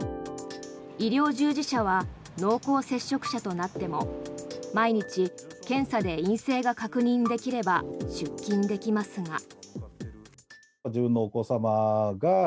医療従事者は濃厚接触者となっても毎日、検査で陰性が確認できれば出勤できますが。